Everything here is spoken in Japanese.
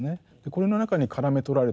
これの中にからめとられていく。